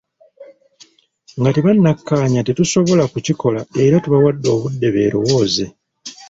Nga tebannakkaanya tetusobola kukikola era tubawadde obudde beerowooze.